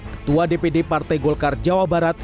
ketua dpd partai golkar jawa barat